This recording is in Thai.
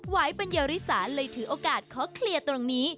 ปัญญาริสาเลยถือโอกาสขอเคลียร์ตรงนี้